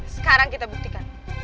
sekarang kita buktikan